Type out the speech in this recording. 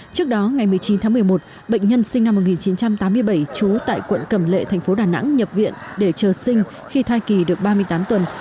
trước đó ngày một mươi chín tháng một mươi một bệnh nhân sinh năm một nghìn chín trăm tám mươi bảy trú tại quận cẩm lệ thành phố đà nẵng nhập viện để chờ sinh khi thai kỳ được ba mươi tám tuần